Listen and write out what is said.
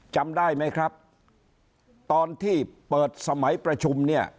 จำได้ไหมครับตอนที่เปิดสมัยประชุมเนี่ย